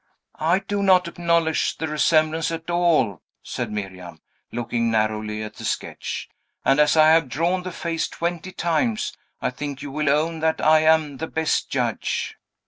"I do not acknowledge the resemblance at all," said Miriam, looking narrowly at the sketch; "and, as I have drawn the face twenty times, I think you will own that I am the best judge."